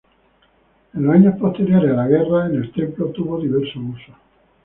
En los años posteriores a la guerra en el templo tuvo diversos usos.